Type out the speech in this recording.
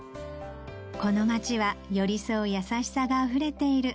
この街は寄り添う優しさがあふれている